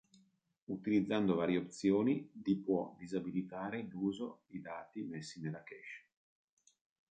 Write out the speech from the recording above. Utilizzando varie opzioni di può disabilitare l'uso di dati messi nella cache.